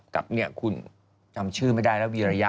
กับเนี่ยคุณจำชื่อไม่ได้แล้ววีระยะ